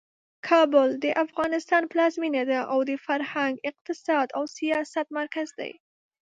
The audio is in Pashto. کابل د افغانستان پلازمینه ده او د فرهنګ، اقتصاد او سیاست مرکز دی.